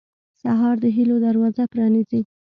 سهار د هيلو دروازه پرانیزي.